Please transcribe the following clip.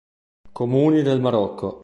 Comuni del Marocco